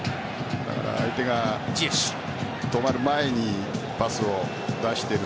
相手が止まる前にパスを出している。